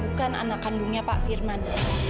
bukan anak kandungnya pak firman